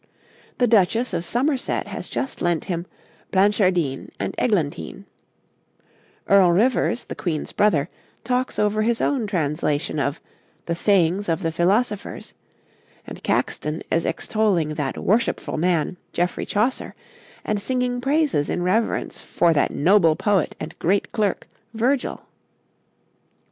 The Duchess of Somerset has just lent him 'Blanchardine and Eglantine'; Earl Rivers, the Queen's brother, talks over his own translation of 'The Sayings of the Philosophers'; and Caxton is extolling that worshipful man Geoffrey Chaucer, and singing praises in reverence 'for that noble poet and great clerke, Vergyl.'